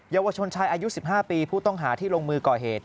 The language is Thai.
เยาวชนชายอายุ๑๕ปีผู้ต้องหาที่ลงมือก่อเหตุ